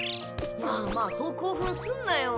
まあまあそう興奮すんなよ